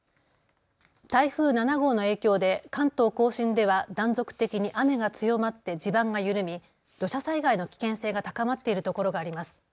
台風７号の影響で関東甲信では断続的に雨が強まって地盤が緩み土砂災害の危険性が高まっているところがあります。